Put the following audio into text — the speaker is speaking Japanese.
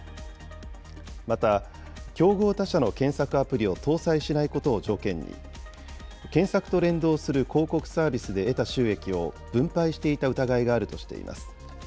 また、競合他社の検索アプリを搭載しないことを条件に、検索と連動する広告サービスで得た収益を分配していた疑いがあるとしています。